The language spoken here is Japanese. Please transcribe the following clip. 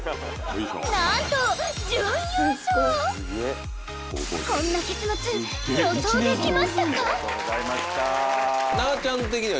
なんとこんな結末予想できましたか？